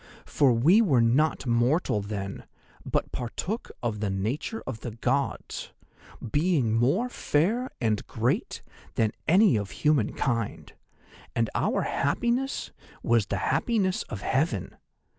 For we were not mortal then, but partook of the nature of the Gods, being more fair and great than any of human kind, and our happiness was the happiness of Heaven.